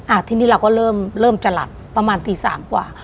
อ่ะทีนี้เราก็เริ่มจลับประมาณตี๓กว่า